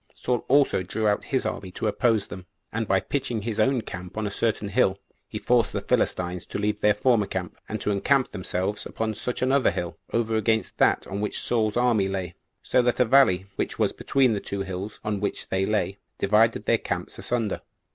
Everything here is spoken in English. Saul also drew out his army to oppose them; and by pitching his own camp on a certain hill, he forced the Philistines to leave their former camp, and to encamp themselves upon such another hill, over against that on which Saul's army lay, so that a valley, which was between the two hills on which they lay, divided their camps asunder.